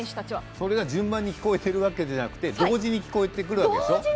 それが順番に聞こえてるわけじゃなくて同時に聞こえてくるわけですね。